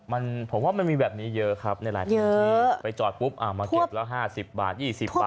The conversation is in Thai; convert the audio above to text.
มันผมว่ามันมีแบบนี้เยอะครับในร้านนี้ไปจอดปุ๊บอ่ามาเก็บแล้ว๕๐บาท๒๐บาท